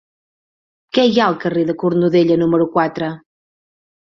Què hi ha al carrer de Cornudella número quatre?